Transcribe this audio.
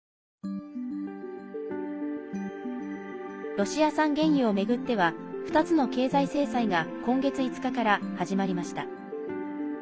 ロシア産原油を巡っては２つの経済制裁が今月５日から始まりました。